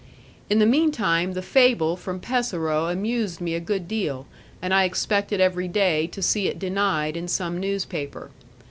In the mean time the fable from Pesaro amused me a good deal, and I expected every day to see it denied in some newspaper.